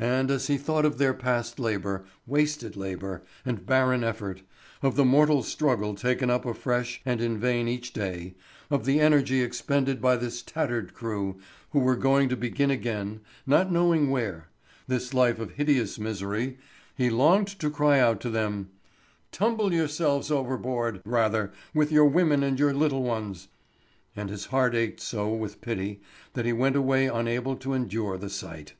And as he thought of their past labour—wasted labour, and barren effort—of the mortal struggle taken up afresh and in vain each day, of the energy expended by this tattered crew who were going to begin again, not knowing where, this life of hideous misery, he longed to cry out to them: "Tumble yourselves overboard, rather, with your women and your little ones." And his heart ached so with pity that he went away unable to endure the sight.